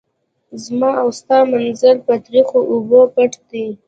زما او ستا منزل په تریخو اوبو پټ دی.